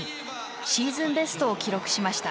シーズンベストを記録しました。